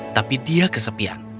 tapi dia kesepian